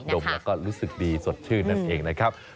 มแล้วก็รู้สึกดีสดชื่นนั่นเองนะครับ